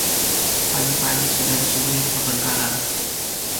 Pagi-pagi sudah disuguhi pertengkaran.